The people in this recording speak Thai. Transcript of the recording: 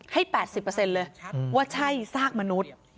ให้๘๐เลยว่าใช่ซากมนุษย์